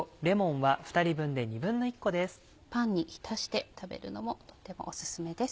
パンに浸して食べるのもとてもおすすめです。